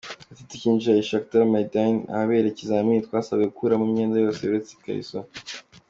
Ati” Tukinjira i Chakkar Maidan ahaberaga ikizami, twasabwe gukuramo imyenda yose uretse ikariso.